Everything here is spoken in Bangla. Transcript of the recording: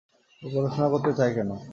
ও পড়াশোনা করতে চায় কেন?